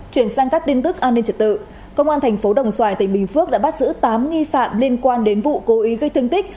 chuyển sang các tin tức an ninh trật tự công an thành phố đồng xoài tỉnh bình phước đã bắt giữ tám nghi phạm liên quan đến vụ cố ý gây thương tích